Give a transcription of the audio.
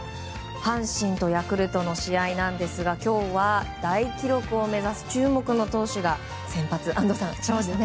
阪神とヤクルトの試合なんですが今日は大記録を目指す注目の投手が先発を安藤さん、しましたね。